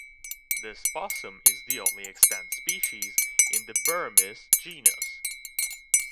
This possum is the only extant species in the "Burramys" genus.